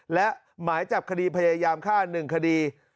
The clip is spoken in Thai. และหมายจับคดีพยายามฆ่า๑คดี